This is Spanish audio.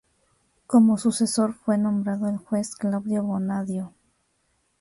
Como sucesor fue nombrado el juez Claudio Bonadío.